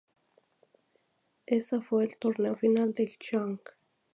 Esa fue el torneo final de Jung.